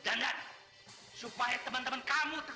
terima kasih saya bersyukur